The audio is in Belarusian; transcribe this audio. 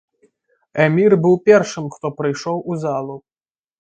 Эмір быў першым, хто прыйшоў у залу.